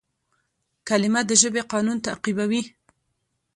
کلیمه د ژبي قانون تعقیبوي.